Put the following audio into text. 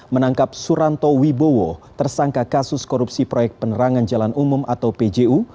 menangkap suranto wibowo tersangka kasus korupsi proyek penerangan jalan umum atau pju